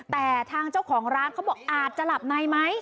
แต่ทางเจ้าของร้านเขาบอกอาจจะหลับในไหม